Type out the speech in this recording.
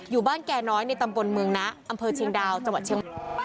อยู่บ้านแก่น้อยในตำบลเมืองนะอำเภอเชียงดาวจังหวัดเชียงใหม่